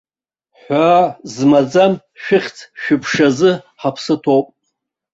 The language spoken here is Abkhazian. Ҳәаа змаӡам шәыхьӡ-шәыԥшазы ҳаԥсы ҭоуп!